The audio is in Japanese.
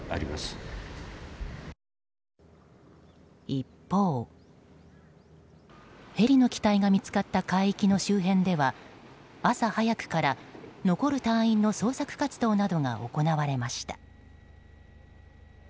一方、ヘリの機体が見つかった海域の周辺では朝早くから残る隊員の捜索活動などが行われました。